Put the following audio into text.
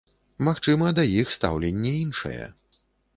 Магчыма, да іх стаўленне іншае.